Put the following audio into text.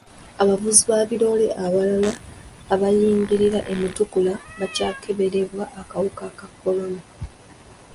Abavuzi ba biroole abalala abayingirira e Mutukula bakyakeberebwa akawuka ka kolona.